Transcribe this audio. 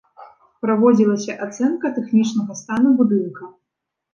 Праводзілася ацэнка тэхнічнага стану будынка.